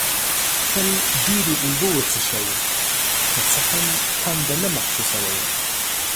تل ډېري اوبه وڅېښئ، که څه هم تنده نه محسوسوئ